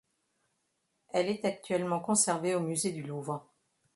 Elle est actuellement conservée au musée du Louvre.